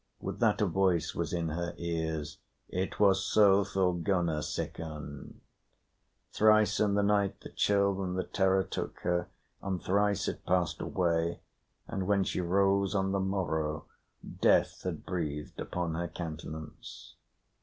With that a voice was in her ear: "It was so Thorgunna sickened." Thrice in the night the chill and the terror took her, and thrice it passed away; and when she rose on the morrow, death had breathed upon her countenance.